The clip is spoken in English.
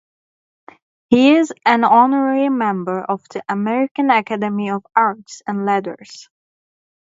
He is an honorary member of the American Academy of Arts and Letters.